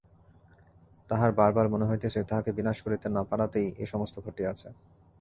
তাঁহার বার বার মনে হইতেছে তাঁহাকে বিনাশ করিতে না পারাতেই এই সমস্ত ঘটিয়াছে।